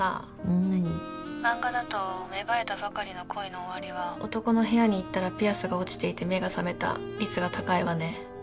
漫画だと芽生えたばかりの恋の終わりは男の部屋に行ったらピアスが落ちていて目が覚めた率が高いわね